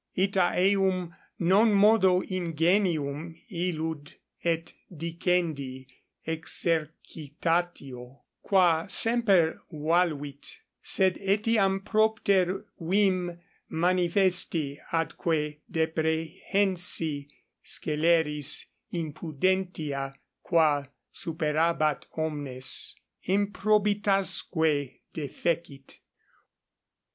Ita eum non modo ingenium illud et dicendi exercitatio, qua semper valuit, sed etiam propter vim manifesti atque deprehensi sceleris impudentia, qua superabat omnes, improbitasque defecit.